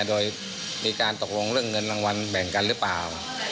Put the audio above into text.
โดยมีการตกลงเรื่องเงินรางวัลแบ่งกันหรือเปล่า